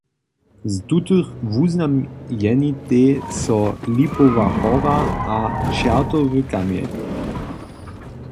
Z tutych wuznamjenitej so Lipowa hora a Čertowy kamjeń.